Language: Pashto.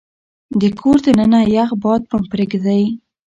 د کور دننه يخ باد مه پرېږدئ.